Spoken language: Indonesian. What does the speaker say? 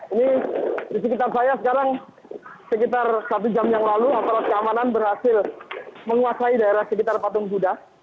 ini di sekitar saya sekarang sekitar satu jam yang lalu aparat keamanan berhasil menguasai daerah sekitar patung kuda